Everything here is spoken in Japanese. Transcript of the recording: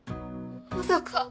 まさか。